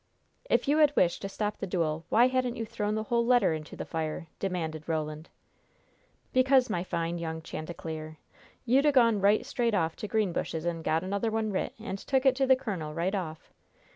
"If you had wished to stop the duel, why hadn't you thrown the whole letter into the fire?" demanded Roland. "Because, my fine, young chanticleer, you'd a gone right straight off to Greenbushes and got another one writ, and took it to the colonel right off.